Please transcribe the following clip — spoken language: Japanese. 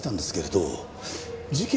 事件